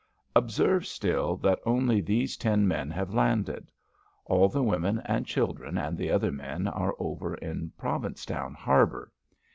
Observe still that only these ten men have landed. All the women and children and the other men are over in Provincetown harbor.